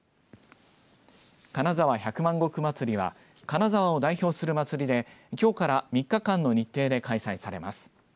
金沢百万石まつりは金沢を代表する祭りできょうから３日間の日程で開催されます。